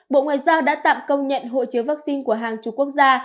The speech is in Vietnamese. bộ ngoại giao đã tạm công nhận hộ chiếu vaccine của hàng chục quốc gia